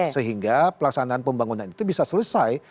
sehingga pelaksanaan pembangunan itu bisa selesai